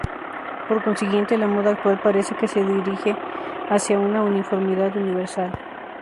Por consiguiente, la moda actual parece que se se dirige hacia una uniformidad universal.